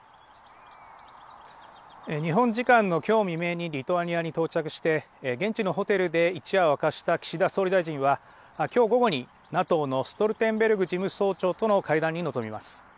日本時間のきょう未明にリトアニアに到着して現地のホテルで一夜を明かした岸田総理大臣はきょう午後にＮＡＴＯのストルテンベルグ事務総長との会談に臨みます。